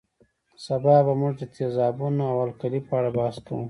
سبا به موږ د تیزابونو او القلي په اړه بحث کوو